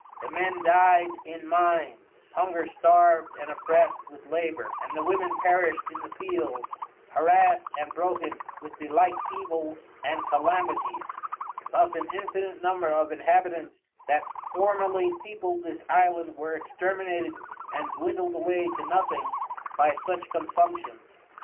The Men died in Mines, hunger starved and oppressed with labor, and the Women perished in the Fields, harrassed and broken with the like Evils and Calamities: Thus an infinite number of Inhabitants that formerly peopled this Island were exterminated and dwindled away to nothing by such Consumptions.